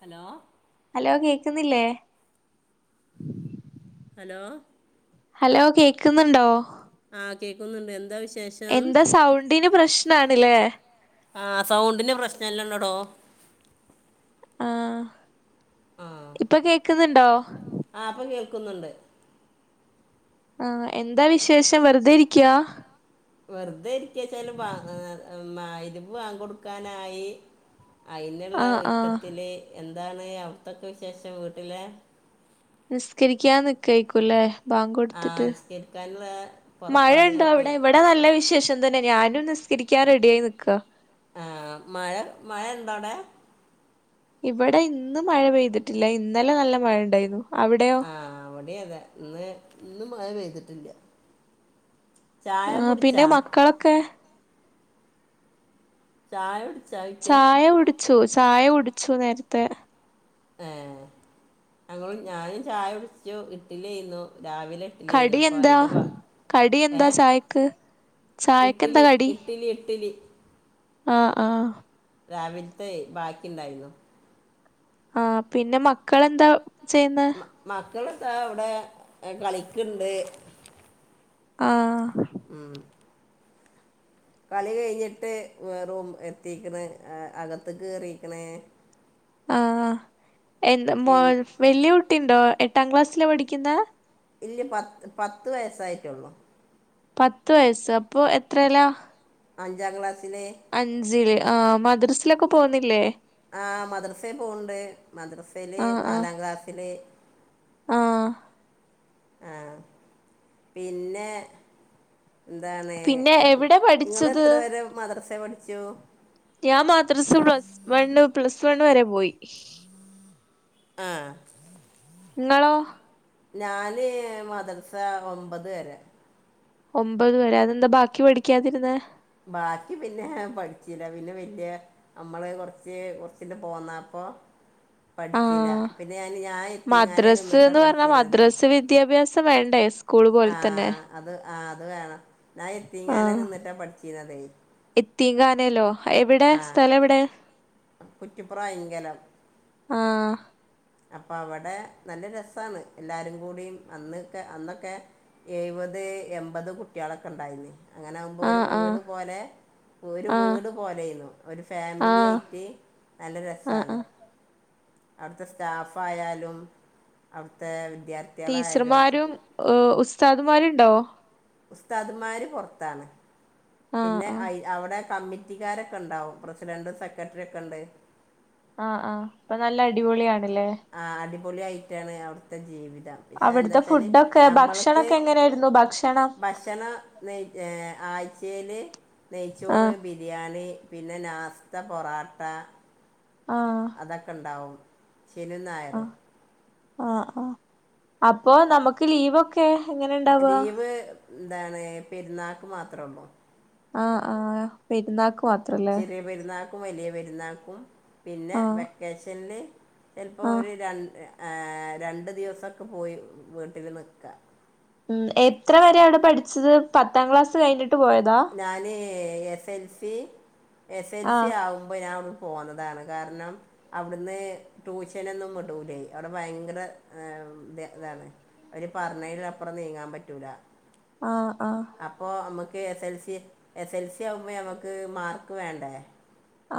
Hello hello കേക്കുന്നില്ലേ hello hello കേക്കുന്നുണ്ടോ ആഹ് കേൾക്കുന്നുണ്ട് എന്താ വിശേഷം എന്താ സൗണ്ടിന് പ്രശ്നാണ്ല്ലേ. ആഹ് സൗണ്ടിന് പ്രശ്നല്ലണ്ടോടോ ആഹ് ഇപ്പൊ കേക്ക്ന്ന്ണ്ടോ ആഹ് പ്പ കേൾക്കുന്നുണ്ട്. ആഹ് എന്താ വിശേഷം വെറുതെ ഇരിക്കാ. വെറുതെ ഇരിക്ക ച്ചാല് ബാ മഹ് രിബ് ബാങ്ക് കൊടുക്കാനായി. അയ്ന്ള്ള ഒരുക്കത്തില് എന്താണ് അവിത്തൊക്കെ വിശേഷം വീട്ടിലെ നിസ്കരിക്കാൻ നിക്കഴ്ക്കൂല്ലേ. ബാങ്ക് കൊടുത്തിട്ട് മഴ ഇണ്ട അവിടെ ഇവടെ ഇവിടെ നല്ല വിശേഷം തന്നെ ഞാനും നിസ്കരിക്കാൻ റെഡി ആയി നിൽക്ക. ആഹ് മഴ മഴ ഇണ്ടോ അവിടെ ഇവിടെ ഇന്ന് മഴ പെയ്തിട്ടില്ല ഇന്നലെ നല്ല മഴ ഉണ്ടായിരുന്നു അവിടെ ആഹ് അവിടെ അതെ ഇന്ന് ഇന്ന് മഴ പെയ്തിട്ടില്ല. ചായ കുടിച്ചാ. ചായ കുടിച്ചു ചായ കുടിച്ചു നേരത്തെ ഏഹ് ഞങ്ങളും ഞാനും ചായ കുടിച്ചു ഇഡ്ലി ആയിരുന്നോ രാവിലെ ഇട്ടലിയ്‌നോ അപ്പൊ അയിന്റെ ബാ ഏഹ് ഇട്ടിലി ഇട്ടിലി ഇട്ടിലി ആഹ് ആഹ് രാവിലത്തെ ബാക്കിണ്ടായിരുന്നു. ആഹ് പിന്നെ മക്കളെന്താ ചെയ്യുന്നത്. മക്കളതാ അവിടെ കളിക്കണ്ട്. ആഹ് കളി കഴിഞ്ഞിട്ട് വറൂ എത്തിക്കണ് അകത്ത്ക്ക് കേറിക്കണേ ആഹ് എന്ത വലിയ കുട്ടി ഉണ്ടോ എട്ടാം ക്ലാസ്സില് പഠിക്കുന്നേ ഇല്ല പത്ത് പത്ത് വയസ്സായിട്ടുള്ളൂ. പത്ത് വയസ്സ് അപ്പൊ എത്രയെല്ലാ. അഞ്ചാം ക്ലാസ്സില് അഞ്ചില് ആഹ് മദ്രസിലൊക്കെ പോകുന്നില്ലേ. ആഹ് മദ്രസയ് പോവണ്ട് മദ്രസയില് നാലാം ക്ലാസ്സില് ആഹ് പിന്നെ എന്താണ് നിങ്ങളെ എത്രവരെ മദ്രസ പഠിച്ചു. ഞാൻ മദ്രസയില് പ്ലസ് വണ് പ്ലസ് വണ് വരെ പോയി. ആഹ് ഇങ്ങളോ. ഞാന് മദ്രസ ഒമ്പത് വരെ ഒമ്പത് വരെ അതെന്താ ബാക്കി പഠിക്കാതിരുന്നേ ബാക്കി പിന്നെ പഠിച്ചില്ല പിന്നെ വല്യ നമ്മള് കൊറച്ച് ഒറച്ചിത് പോന്നാപ്പോ ആഹ് മദ്രസ്ന്ന് പറഞ്ഞാ മദ്രസ് വിദ്യാഭ്യാസം വേണ്ടേ സ്കൂള് പോലെ തന്നെ അത് ആഹ് അത് വേണം ഞാ യതീംഖാനെ നിന്നിട്ടാ പഠി യതീംഖാനയിലോ എവിടെ സ്ഥലം എവിടെ കുറ്റിപ്പുറം അയങ്കലം അപ്പൊ അവിടെ നല്ല രസാണ് എല്ലാരും കൂടീം അന്ന്ക്കേ അന്നൊക്കെ എയവത് എമ്പത് കുട്ടികളാക്കെ ണ്ടായിന്ന് അങ്ങനാവുമ്പോ ഒരു വീട് പോലെ ഒരു വീട് പോലെയിന്നു ഒരു ഫാമിലിയി ട്ട് നല്ല രസാണ് അവിടുത്തെ സ്റ്റാഫായാലും അവിടുത്തെ വിദ്യാർത്ഥ ടീച്ചർമാരും ഉസ്താദ്മാരുണ്ടാവോ ഉസ്താദന്മാര് പുറത്താണ് പിന്നെ ഐ അവിടെ കമ്മിറ്റിക്കാരൊക്കെണ്ടാവും പ്രസിഡന്റും സെക്രട്ടറി ഒക്കെ ണ്ട് ആഹ് ആഹ് ഇപ്പൊ നല്ല അടിപൊളിയാണ്ല്ലേ ആഹ് അടിപൊളി ആയിട്ടാണ് അവിടത്തെ ജീവിതം പക്ഷെ എന്താ വച്ചാല് ഞമ്മള്ക്ക് ഭക്ഷണം നെയ് എഹ് ആയ്ച്ചേല് നെയ്ച്ചോറ് ബി രിയാണി പിന്നെ നാസ്ത പൊറാട്ട ആഹ് അതൊക്കെ ഉണ്ടാവും ശനീം നായറും ആഹ് ആഹ് അപ്പൊ നമുക്ക് ലീവൊക്കെ ലീവ് ന്താണ് പെരുന്നാക്ക് മാത്രോള്ളൂ ആഹ് ആ പെരുന്നാക്ക് മാത് ചെറിയ പെരുന്നാക്കും വലിയ പെരുന്നാക്കും പിന്നെ വെക്കേഷനില് ചിലപ്പോ ഒരു ര രണ്ട് ദിവസമൊക്കെ പോയി വീട്ടില് നിക്കാ ഉം എത്ര വരെ അവിടെ പഠിച്ചത് പത്താം ക്ലാസ്സ് കയിഞ്ഞിട്ട് പോയതാ ഞാന് S L C S L C ആവും മ്പോ ഞാ അവടെന്ന് പോന്നതാണ് കാരണം അവിടുന്ന് ട്യൂഷനൊന്നും വിടൂലേയ് അവിടെ ഭയങ്കര ഇ ഇതാണ് അവര് പറഞ്ഞേല് അപ്പറം നീങ്ങാ പറ്റൂല ആഹ് ആഹ് അപ്പോ അമുക്ക് S L C S L C ആവുമ്പോ ഞമക്ക് മാർക്ക് വേണ്ടേ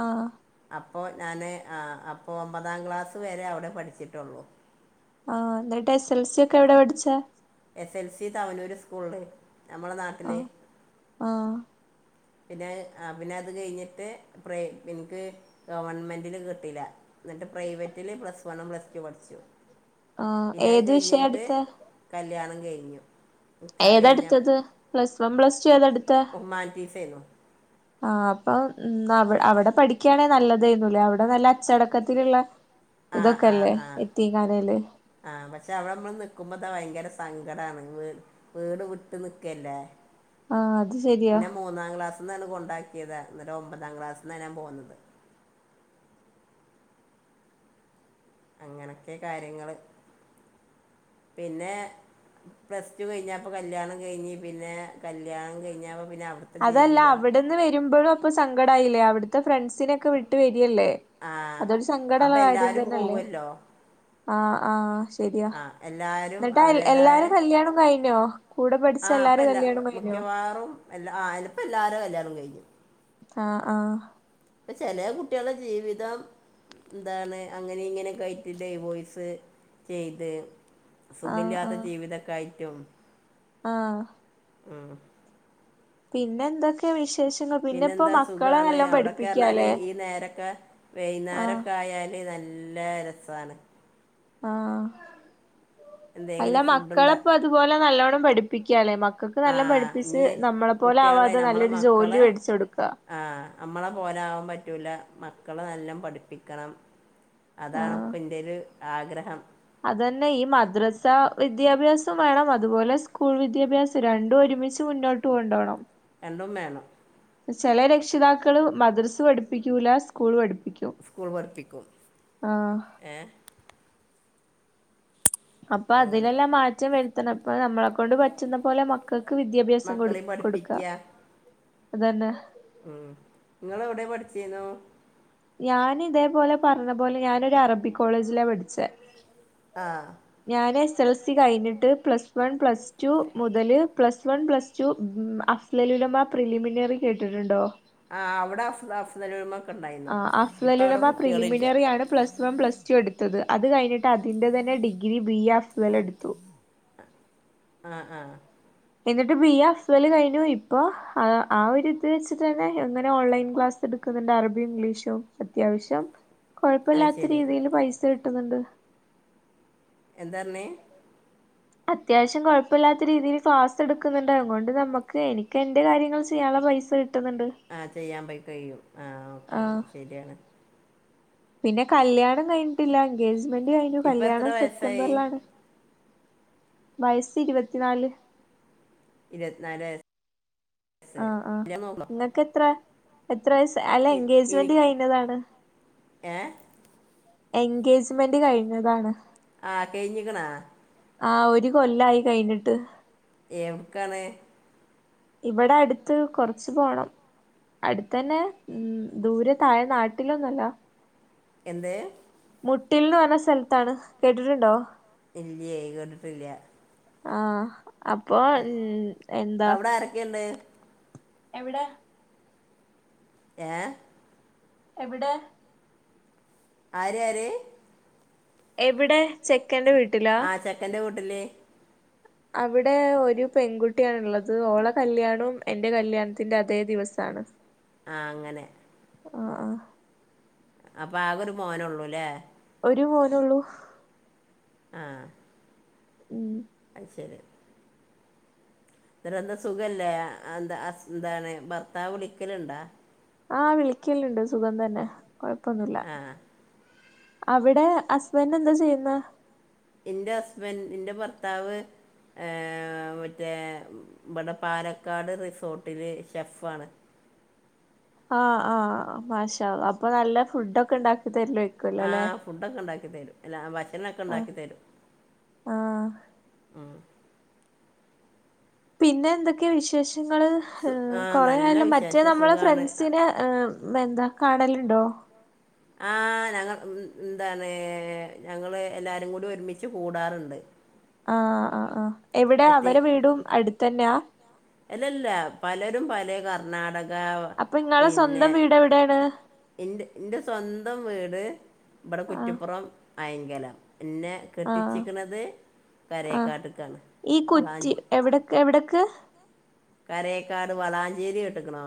ആഹ് അപ്പോ ഞാന് ആ അപ്പോ ഒമ്പതാം ക്ലാസ് വരെ അവിടെ പഠിച്ചിട്ടൊള്ളൂ ആഹ് ന്നിട്ട് എസ് എൽ സി ഒക്കെ എവിടെ പഠിച്ചേ എസ് എൽ സി തവനൂര് സ്കൂളില് ഞമ്മള നാട്ടില് പിന്നെ അ പിന്നെ അത് കഴിഞ്ഞിട്ട് പ്രൈ ഇനിക്ക് ഗവണ്മെന്റില് കിട്ടീല്ല ന്നിട്ട് പ്രൈവറ്റില് പ്ലസ് വണ്ണും പ്ലസ് ടു പഠിച്ചു പിന്നെ അത് കയിഞ്ഞേട്ട് കല്ല്യാണം കയിഞ്ഞു ഏതാ ഇടുത്തത് പ്ലസ് വൺ പ്ലസ് ടു ഏതാ ഇടുത്തെ ഹ്യുമാനിസേന്നു ആ അപ്പം മ് ന്ന അവി അവിടെ പഠിക്കാണെ നല്ലതേന്നുലേ അവിടെ നല്ല അച്ചടക്കത്തിലുള്ള ഇതൊക്കെല്ലേ യതീംഖാനേല് ആഹ് പക്ഷെ അവടെ മ്മള് നിക്കുമ്പോ ത ഭയങ്കര സങ്കടാണ് വീ വീട് വിട്ട് നിക്കല്ലേ ആഹ് അത് ശരിയാ മൂന്നാം ക്ലാസ്സ്ന്നങ്ങട് കൊണ്ടാക്കിയതാ ഇന്ന്ട്ട് ഒമ്പതാം ക്ലാസ്സ് ന്നാ ഞാ പോന്നത് അങ്ങനക്കെ കാര്യങ്ങള് പിന്നെ പ്ലസ് ടു കഴിഞ്ഞാപ്പോൾ കല്യാണം കഴിഞ് പിന്നെ കല്യാണം കഴിഞ്ഞാ്പോൾ പിന്നെ അവിടുത്തെ ജീവിതം ന്ന് വരുമ്പോഴും അപ്പൊ സങ്കടംമായില്ലേ അവിടുത്തെ ഫ്രണ്ട്സിനെൊക്കെ വിട്ട് വരിയല്ലേ അതൊരു സങ്കടള്ള കാര്യം തന്നെല്ലേ ആഹ് ആഹ് ശരിയ എന്നിട്ടാ എല്ലാരും കല്യാണം കഴിഞ്ഞോ കൂടെ പഠിച്ച എല്ലാര അപ്പം എല്ലാ മുിക്കവാറും എല്ലാ ആയലപ്പം എല്ലാവരും എല്ലാവരും കഴിഞ്ഞു ആഹ് ആഹ് ഇപ്പ ചെില കുട്ടികളുടെ ജീവിതം എന്താണ് അങ്ങനെ ഇങ്ങനെ കഴറ്റില്ലേ ബോയ്സ് ചെയ്ത് സുഖമില്ലാത്ത ജീവിതക്കയറ്റും ആഹ് ആഹ് പിന്നെ എന്താ വിശേഷങ്ങ പിന്നെന്താ സുഖാണ് അവിടൊക്കെ പറഞ്ഞാല് ഈ നേരൊക്കെ വൈകുന്നേരംക്കെ ആയാൽ നല്ല രസമാണ് ആഹ് എൽ അല്ല മക്കളെപ്പ അതുപോലെ നല്ലോണ്ണം പഠിപ്പിക്കല്ലേ മക്കൾക്ക് നല്ലണം പഠിപ്പിച്ച് നമ്മളെ അതുപോലെ ആവാതെ നല്ലൊരു ജോലി മേടിച്ച കൊടുക്കുക ആ നമ്മളെ പോലെ ആകൻ പറ്റൂല മക്കളെ നല്ല പഠിപ്പിക്കണം അതാണ്പ്പ എന്റെ ഒരു ആഗ്രഹം അത് തന്നെ ഈ മദ്രസ വിദ്യാഭ്യാസം വേണം അതുപോലെ സ്കൂൾ വിദ്യാഭ്യാസം രണ്ടും ഒരുമിച്ച് മുന്നോട്ട് കൊണ്ടോണം രണ്ടും മേനം ചില രക്ഷിതാക്കൾ മദ്രസ് പഠിപ്പിക്കൂില്ല സ്കൂൾ പഠിപ്പിക്കൂ സ്കൂൾ പഠിപ്പിക്കും ഏ അപ്പൊ അതിലെല്ലാം മാറ്റം വരുത്തണം ഇപ്പ നമ്മളെ കൊണ്ട് പറ്റുന്ന പോലെ മക്കൾക്ക് വിദ്യാഭ്യാസം കൊടു കൊടുക്കാം അതന്നെ ഉം നിങ്ങ എവിടെ പഠിച്ചന്നു ഞാന ഇതേപോലെ പറഞ്ഞ പോലെ ഞാനൊ ഒരു അറബി കോളേജില പഠിച്ചേ ആ ഞാൻ എസ് എൽ സി കഴിഞ്ഞിട്ട് plus one plus plus two മുതൽ പ്ലസ് വൺ പ്ലസ് ടു അഫ്ലലുലമ പ്രിലിമിനറി കേട്ടിട്ടുണ്ടോ ആ് അവിടെ അ അഫുദൽമ ഒക്കെ ഉണ്ടായിരുന്നു ഇപ്പ അവിടെ കുട്ടികള ഇില്ല പ്ലസ് ടു എടുത്തത് അത് കഴിഞ്ഞിട്ട് അതിന്റെ തന്നെ ഡിഗ്രി ബി എഫ് എൽ എടുത്തു ആഹ ആഹ എന്നിട്ട് ബി എ അഫ്സൽ കഴിഞ്ഞു ഇപ്പൊ ആ ഒരുരി ഇത് വെച്ചി് തന്നെ എങ്ങനെ ഓൺലൈൻ ക്ലാസ് എടുക്കുന്നുണ്ട് അറബിയും ഇംഗ്ലീഷും അത്യാവശ്യം കൊഴപ്പമില്ലാത്ത രീതിയിൽ പൈസ കിട്ടുന്നുണ്ട് എന്താർഞ്ഞേ അത്യാവശ്യം കുഴപ്പമില്ലാത്ത രീതിയിൽ ക്ലാസ്സ്‌ സ് എടുക്കുന്നുണ്ട് അതുകൊണ്ട് നമുക്ക് എനിക്ക് എന്റെ കാര്യങ്ങൾ ചെയ്യാനുള്ള പൈസ ക പറ്റുന്നുണ്ട് ആ ചെയ്യാൻ പോയി കഴിയും ആ ഓക്കെ ആ ശരിയാണ് പിന്നെ കല്ല്യാണം കഴിഞ്ഞിട്ടില്ല എൻഗേജ്മെന്റ് കഴിഞ്ഞു കല്യാണം സെപ്റ്റംബറിലാണ് വയസ്സ് ഇരുപത്തിനാല് ഇരുപത്തിനാല് ആഹ ആഹ് നിങ്ങൾക്ക് എത്ര എത്ര വയ അല്ല എൻഗേജ്മെന്റ് കഴിഞ്ഞതാണ് ഏ എൻഗേജ്മെന്റ് കഴിഞ്ഞതാണ് ആഹ് കഴിഞ്ഞിക്കണാ ആഹ ഒരു കൊല്ലായി കഴിഞ്ഞിട്ട് എവക്കാണ് ഇവിടെ അടുത്ത് കൊറച്ച്ു പോണം അടുത്തന്നെ ഉം ദൂരെ താഴെ നാട്ടിലൊന്നല്ലോ എന്ത് മുട്ടിൽന്ന് പറഞ്ഞ സ്ഥലത്താണ് കേട്ടിട്ടുണ്ടോ ഇല്ലയയ് കണ്ടിട്ടില്ല ആഹ് അപ്പൊ ഉ എന്താ ആരൊക്കെണ്ട് എവിടെ ഏ എവിടെ ആര് ആര് എവിടെ ചെക്കൻഡ വീട്ട് ആഹ് ചെക്കന്റെ കൂട്ടില് അവിടെ ഒരു പെൺകുട്ടിയണള്ളത് ഓള കല്യാണവും എന്റെ കല്യാണത്തിന്റെ അതേ ദിവസമാണ് ആ അങ്ങനെ ആഹ് ആഹ് അപ്പൊ ആകെ ഒരു മോന ഉള്ളൂല്ലേ ഒരു മോനള്ളൂ ആഹ് ഉം അത് ശരി ഇരന്ത സുഖല്ലേ എന്താണ് ഭർത്താവ് വിളിക്കലുണ്ടാ ആഹ് വിളിക്കലണ്ട് സുഖം തന്നെ കൊഴപ്പൊന്നുമില്ല അവിടെ ഹസ്ബന്റ് എന്താ ചെയ്യുന്നെ എന്റെ ഹസ്ബൻഡറ് എന്റെ ഭർത്താവ് മറ്റേ ഇവിടെ പാലക്കാട് റിസോർട്ടിൽ ഷെഫാണ് ആഹ് ആഹ് മാശാള്ള അപ്പൊ നല്ല ഫുഡ് ഒക്കെ ഉണ്ടാക്കി തല്ലോ ആഹ് ഫുഡ്ക്കെ ഉണ്ടാക്കി തരും അല്ല ഭക്ഷണക്കെ ഉണ്ടാക്കി തരും ആഹ് ആഹ് പിന്നെ എന്തൊക്കെയാ വിശേഷങ്ങൾ കൊറേ ആയാലും മറ്റേ നമ്മെ ഫ്രണ്ട്സിനെ [unintelligible] എന്താ കാണലുണ്ടോ ആഹ് ഞങ്ങ എന്താണ് ഞങ്ങള് എല്ലാരും കൂടി ഒരുമിച്ച് കൂടാറുണ്ട് ആഹ് ആഹ് ആഹ് എവിടെ അവരെ വീടും അടുത്തന്നെയാ അല്ലല്ല പലരും പല കർണാടക പിന്നെ എൻ്റെ എൻ്റെ സ്വന്തം വീട് ഇവിടെ കുറ്റിപ്പുറം ആയങ്കലം എന്നെ കെട്ടിച്ചക്കണത് കരയക്കാട്ടക്കാണ് വളാഞ്ചി എവിടക്ക് എവിടക്ക് കരേക്കാട് വളാഞ്ചേരി കേട്ടക്കണോ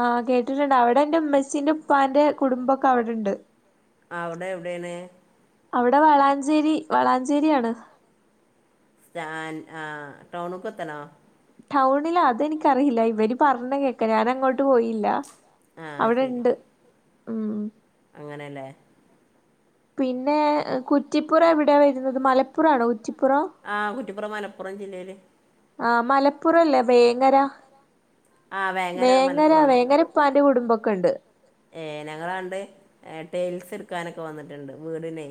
ആഹ് കേട്ടിട്ടുണ്ട് അവിടെ എൻ്റെ ഉമ്മച്ചിൻ്റെ ഉപ്പാന്റെ കുടുംബൊക്കെ അവിടെണ്ട് ആഹ് അവിടെ എവിടാണ് അവിടെ വളാഞ്ചേരി വളാഞ്ചേരിയാണ് ആഹ് ടൗണക്ക എത്തണോ ടൗണില അത് എനിക്കറിയില്ല ഇവര് പറഞ്ഞ കേക്കാ ഞാൻ അങ്ങോട്ട് പോയില്ല അവിടെ ഉണ്ട് ഉം അങ്ങനെയല്ലേ പിന്നെ കു കുറ്റിപ്പുറ എവിടെയാ വരുന്നത് മലപ്പുറം ആണോ കുറ്റിപ്പുറ ആഹ് മലപ്പുറല്ലേ വേങ്കര വേങ്ങര വേങ്ങര ഇപ്പാന്റെ കുടുംബൊക്കെ ഉണ്ട് ഏഹ് ഞങ്ങളാണ്ട് ടെയിൽസ് എടുക്കാനൊക്കെ തോന്നിട്ടുണ്ട് വീടിനെ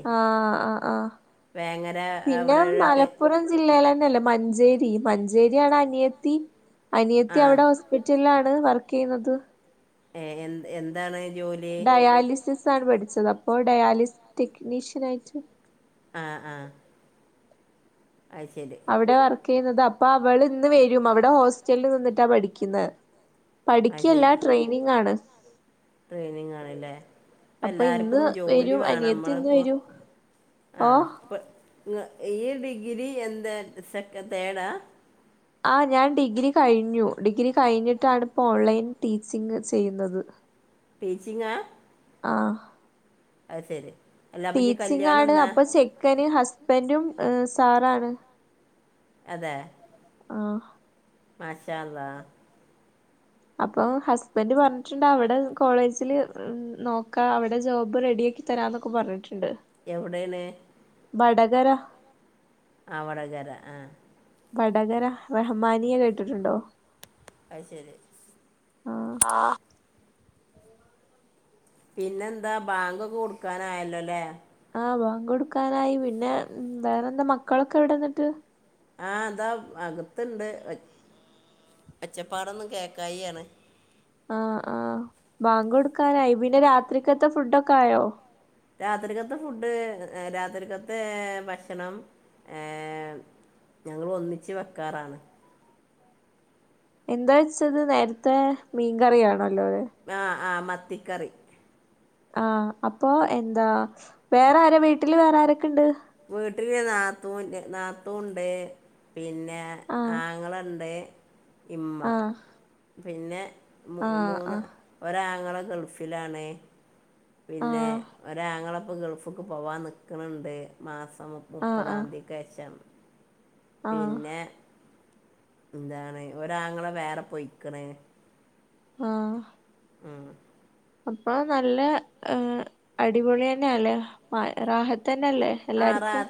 വേങ്ങര അവിടെട്ട് ജില്ലകൾ തന്നെയല്ലേ മഞ്ചേരി മഞ്ചേരിയാണ് അനിയത്തി അനിയത്തി അവിടെ [unintelligible] വർക്ക് ചെയ്യുന്നത് ഏഹ് എ എന്താണ് ജോലി ഡയാലിസിസ് ണ് പഠിച്ചത് അപ്പോ ഡയാലിസിസ് ടെക്നീഷ്യൻ ആയിട്ട് ആഹ് ആഹ് അയ്ശരി അവിടെ വർക്ക് ചെയ്യുന്നത് അപ്പൊ അവൾ ഇന്ന് വരും അവിടെ ഹോസ്റ്റലിൽ നിന്നിട്ടാ പഠിക്കുന്നത് പഠിക്കല്ല ട്രെയിനിങ് ആണ് ട്രെയിനിങ് ആണല്ലേ അപ്പ എല്ലാർക്കും ജോലി വേണം നമ്മളിപ്പോ ആഹ് ഈ ഡിഗ്രി എന്താ സെക്ക തേടാ ആഹ് ഞാൻ ഡിഗ്രി കഴിഞ്ഞു ഡിഗ്രി കഴിഞ്ഞിട്ടാണ് ഇപ്പോ ഓൺലൈൻ ടീച്ചിങ്ങ് ചെയ്യുന്നത് [inaudible] ടീച്ചിങ്ങ ആഹ് അയ് ശെരി ടീച്ചിങ്ങ് ആണ് അപ്പൊ ചെക്കന് ഹസ്ബൻറും സാറാണ് അതെ ആഹ് മഷാഹ്ള്ള അപ്പൊ ഹസ്ബന്ഡറ് പറഞ്ഞിട്ടുണ്ട് അവിടെ കോളേജില് നോക്കാ അവിടെ ജോബ് റെഡി ആക്കി തരാനൊക്കെ പറഞ്ഞിട്ടുണ്ട് എവിടൊണ് വടകര ആഹ് വടകര ആഹ് വടകര റഹ്മാനിയെ കേട്ടിട്ടുണ്ടോ അത്ശരി ആഹ് പിന്നെന്താ ബാങ്ക് കൊക്കെ കൊടുക്കാനായല്ലോല്ലേ ആഹ് ബാങ്ക് കൊടുക്കാനായി പിന്നെ വേറെ എന്താ മക്കളൊക്കെ എവിടെന്നിട്ട് ആഹ് അതാ അകത്തണ്ട് ഒച്ചപ്പാടൊന്ന കേക്കായി ആണ് ആഹ് ആഹ് ബാങ്ക കൊടുക്കാനായി പിന്നെ രാത്രിക്കത്തെ ഫുഡൊക്കെ ആയോ രാത്രിക്കത്തെ ഫുഡ് രാത്രിക്കത്തെ ഭക്ഷണം ഏഹ് ഞങ്ങൾ ഒന്നിച്ച് വെക്കാറാണ് എന്താ വെച്ചത് നേരത്തെ മീൻകറിയാണല്ലോ ആഹ് ആഹ് മത്തിക്കറി ആഹ് അപ്പൊ എന്താ വേറാര വീട്ടില് വേറെ ആരൊക്കെണ്ട് വീട്ടില് നാത്തും നാത്തുംണ്ട് പിന്നെ ആങ്ങളുണ്ട് ഇമ്മ പിന്നെ മൂന്ന് ഒരാങ്ങളെ ഗൾഫിലാണേ പിന്നെ ഒരാങ്ങളപ്പോൾ ഗൾഫക്ക് പോവാൻ നിൽക്കണണ്ട് മാസം മുപ്പതാം തീയതി ക്ക്ശേശം പിന്നെ എന്താണ് ഒരാരാങ്ങളെ വേറെ പൊയിക്കണ ആഹ് ആഹ് അപ്പൊ നല്ല അടിപൊളി തന്നെയ അല്ലേറഹ തന്നെല്ലേ എല്ലാർക്കും.